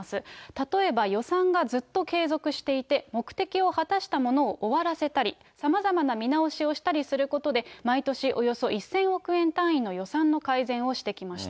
例えば予算がずっと継続していて、目的を果たしたものを終わらせたり、さまざまな見直しをしたりすることで、毎年およそ１０００億円単位の予算の改善をしてきました。